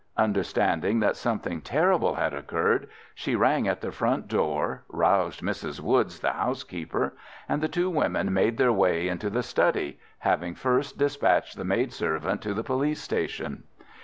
Understanding that something terrible had occurred, she rang at the front door, roused Mrs. Woods, the housekeeper, and the two women made their way into the study, having first dispatched the maidservant to the police station.